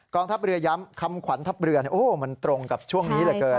ทัพเรือย้ำคำขวัญทัพเรือมันตรงกับช่วงนี้เหลือเกิน